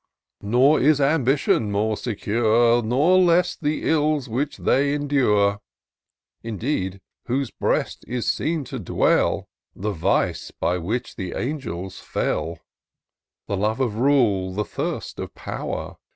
" Nor is Ambition more secure. Nor less the ills which they endure. Within whose breast is seen to dwell The vice by which the Angels fell. The love of rule, the thirst of pow'r.